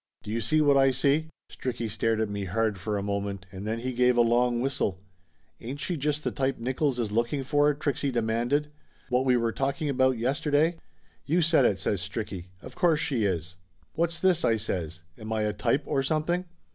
Do you see what I see ?" Stricky stared at me hard for a moment, and then he gave a long whistle. "Ain't she just the type Nickolls is looking for?" Trixie demanded. "What we were talking about yes terday?" "You said it!" says Stricky. "Of course she is!" "What's this?" I says. "Am I a type, or something?"